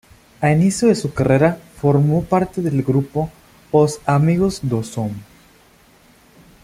A inicio de su carrera formó parte del grupo "Os Amigos do Som".